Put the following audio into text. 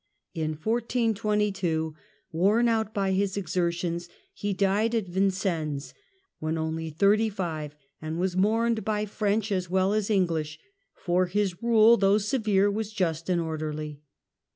In 1422, worn out by his exertions, he died at Vincennes when only thirty five, and was mourned by French as well as English, for his rule though severe was just and orderly.